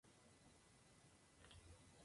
Fue apresado por los ingleses tras el combate.